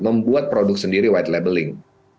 membuat produk sendiri white labeling